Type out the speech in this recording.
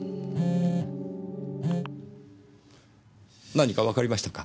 何かわかりましたか？